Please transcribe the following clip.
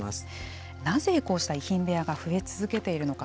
なぜこうした遺品部屋が増え続けているのか。